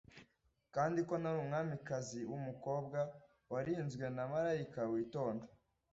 Kandi ko nari Umwamikazi wumukobwa warinzwe na Malayika witonda: